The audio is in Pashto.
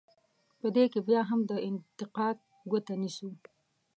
په دې کې بیا هم د انتقاد ګوته نه نیسو.